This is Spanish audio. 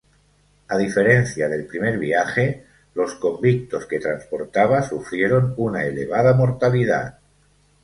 A diferencia del primer viaje, los convictos que transportaba sufrieron una elevada mortalidad.